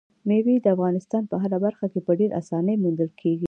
مېوې د افغانستان په هره برخه کې په ډېرې اسانۍ موندل کېږي.